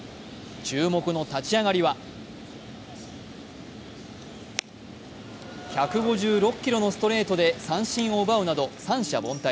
注目の立ち上がりは１５６キロのストレートと三振を奪うなど三者凡退。